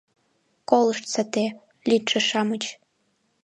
— Колыштса те, лӱдшӧ-шамыч!